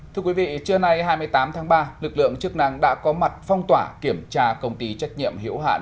thưa quý vị trưa nay hai mươi tám tháng ba lực lượng chức năng đã có mặt phong tỏa kiểm tra công ty trách nhiệm hiểu hạn